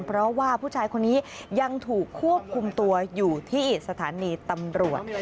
เพราะว่าผู้ชายคนนี้ยังถูกควบคุมตัวอยู่ที่สถานีตำรวจ